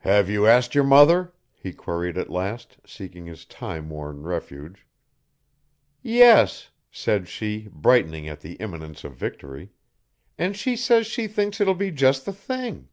"Have you asked your mother?" he queried at last, seeking his time worn refuge. "Yes," said she, brightening at the imminence of victory, "and she says she thinks it will be just the thing."